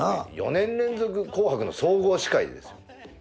４年連続「紅白」の総合司会ですよ。